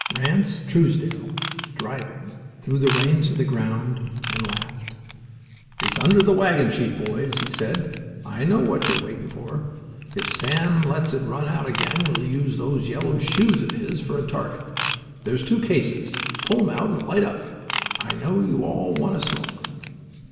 Ranse Truesdell, driving, threw the reins to the ground and laughed. "It's under the wagon sheet, boys," he said. "I know what you're waiting for. If Sam lets it run out again we'll use those yellow shoes of his for a target. There's two cases. Pull 'em out and light up. I know you all want a smoke."